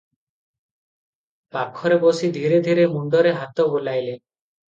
ପାଖରେ ବସି ଧୀରେ ଧୀରେ ମୁଣ୍ଡରେ ହାତ ବୁଲାଇଲେ ।"